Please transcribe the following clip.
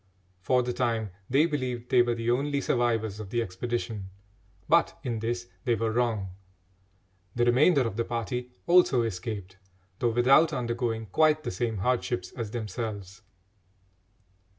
For the time they believed they were the only survivors of the expedition, but in this they were wrong. The remainder of the party also escaped, though without undergoing quite the same hardships as themselves.